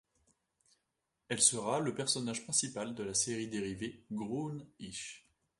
Elle sera le personnage principal de la série dérivée Grown-ish.